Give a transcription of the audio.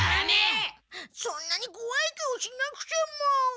そんなにこわい顔しなくても。